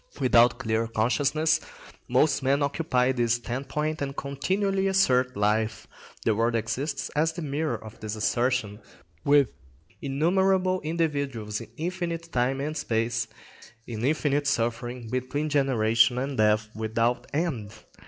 Without clear consciousness most men occupy this standpoint and continually assert life. The world exists as the mirror of this assertion, with innumerable individuals in infinite time and space, in infinite suffering, between generation and death without end.